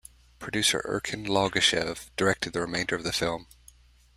Producer Erken Ialgashev directed the remainder of the film.